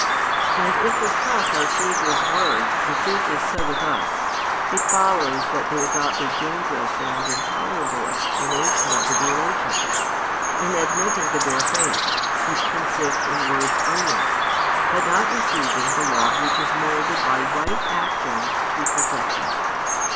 And if we trust our Saviour's words that this is so with us, it follows that they adopt a dangerous and intolerable explanation of the relationship, in admitting the bare faith, which consists in words only, but not receiving the love which is moulded by right actions to perfection.